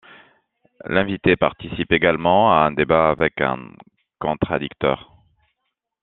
L'invité participe également à un débat avec un contradicteur.